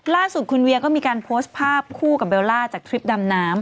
ล่าสุดคุณเวียก็มีการโพสต์ภาพคู่กับเบลล่าจากทริปดำน้ำ